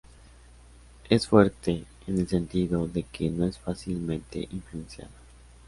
Es fuerte en el sentido de que no es fácilmente influenciada.